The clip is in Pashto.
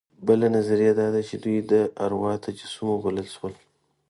بله نظریه دا ده چې دوی د اروا تجسم وبلل شول.